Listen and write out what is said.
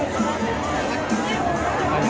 สวัสดีครับ